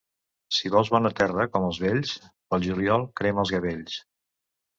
Si vols bona terra, com els vells, pel juliol crema els gavells.